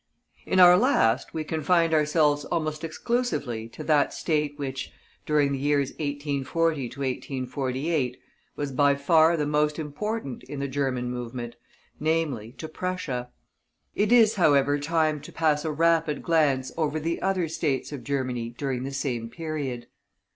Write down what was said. In our last we confined ourselves almost exclusively to that State which, during the years 1840 to 1848, was by far the most important in the German movement, namely, to Prussia. It is, however, time to pass a rapid glance over the other States of Germany during the same period.